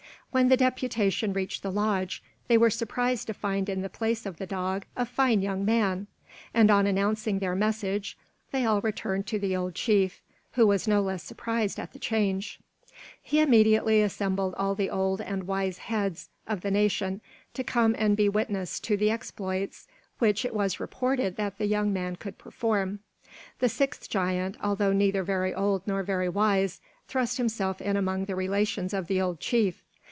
When the deputation reached the lodge, they were surprised to find in the place of the dog a fine young man; and on announcing their message, they all returned to the old chief, who was no less surprised at the change. He immediately assembled all the old and wise beads of the nation to come and be witnesses to the exploits which it was reported that the young man could perform. The sixth giant, although neither very old nor very wise, thrust himself in among the relations of the old chief.